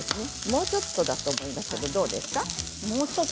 もう少しだと思いますけどどうですか？